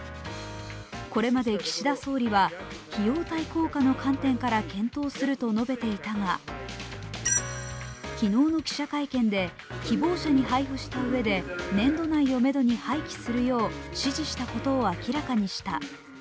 これまで岸田総理は費用対効果の観点から検討すると述べていたが昨日の記者会見で希望者に配布したうえで、年度内をめどに廃棄するよう指示したこを明らかにした。